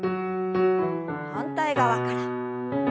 反対側から。